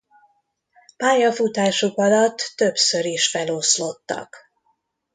Pályafutásuk alatt többször is feloszlottak.